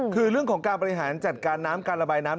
คือเรื่องของการบริหารจัดการน้ำการระบายน้ำ